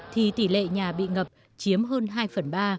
thì tỷ lệ nhà bị ngập chiếm hơn hai phần ba